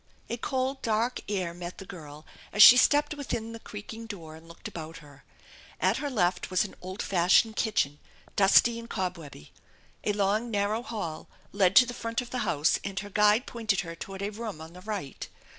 A cold, dark air met the girl as she stepped within the creaking door and looked about her. At her left was an old fashioned kitchen, dusty and cobwebby. A long, narrow hall led to the front of the nouse and her guide pointed her toward a room on tha right.